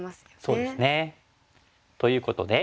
そうですね。ということで。